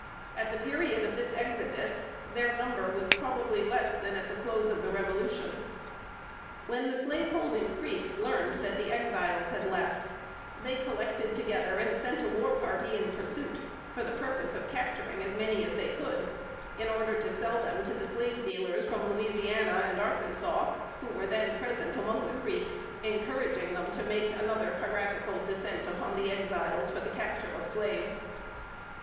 At the period of this exodus, their number was probably less than at the close of the Revolution. When the slaveholding Creeks learned that the Exiles had left, they collected together and sent a war party in pursuit, for the purpose of capturing as many as they could, in order to sell them to the slave dealers from Louisiana and Arkansas, who were then present among the Creeks, encouraging them to make another piratical descent upon the Exiles for the capture of slaves.